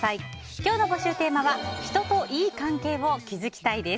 今日の募集テーマは人と良い関係を築きたい！です。